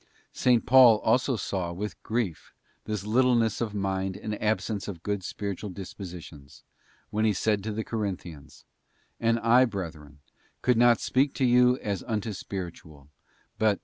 §. Paul also saw with grief this little ness of mind and absence of good spiritual dispositions, when he said to the Corinthians: 'And I, brethren, could not speak to you as unto spiritual, but as unto carnal.